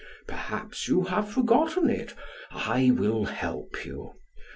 Perhaps you have forgotten it; I will help you.